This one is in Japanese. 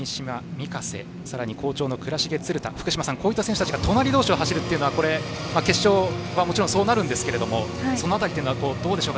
御家瀬さらに好調の藏重、鶴田福島さん、こういった選手たちが隣同士を走るというのは決勝はもちろんそうなりますがその辺りはどうでしょう？